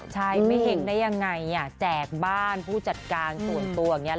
ใช่ไม่เห็งได้ยังไงแจกบ้านผู้จัดการส่วนตัวอย่างนี้